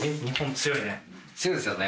強いですよね。